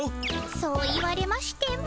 そう言われましても。